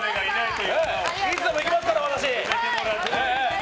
いつでも行けますから私。